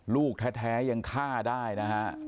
ลูกแท้ยังฆ่าได้นะฮะ